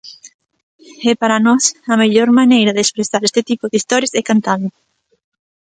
E, para nós, a mellor maneira de expresar este tipo de historias é cantando.